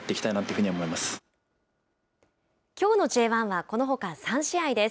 きょうのＪ１はこのほか３試合です。